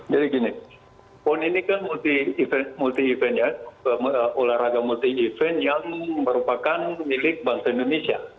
jadi gini pon ini kan multi event ya olahraga multi event yang merupakan milik bangsa indonesia